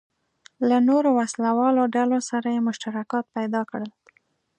له نورو وسله والو ډلو سره یې مشترکات پیدا کړل.